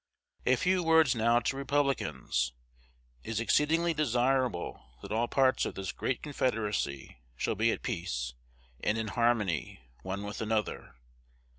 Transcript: A few words now to Republicans. It is exceedingly desirable that all parts of this great Confederacy shall be at peace, and in harmony, one with another.